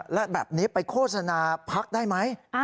แล้วแบบนี้ไปโฆษณาพักได้ไหม